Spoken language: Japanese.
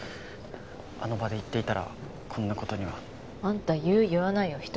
あの場で言っていたらこんな事には。あんた言う言わないを人で分けてるの？